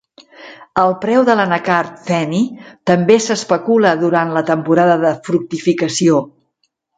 El preu de l'anacard feni també s'especula durant la temporada de fructificació.